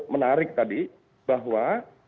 menarik tadi bahwa